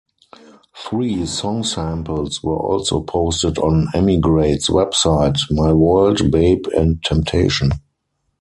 Three song samples were also posted on Emigrate's website: "My World," "Babe," and "Temptation.